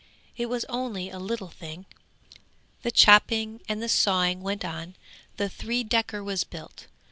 It was only a little thing. 'The chopping and the sawing went on the three decker was built.